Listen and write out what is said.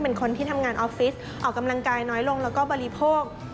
เป็นคนที่ทำงานออฟฟิศออกกำลังกายน้อยลงแล้วก็บริโภค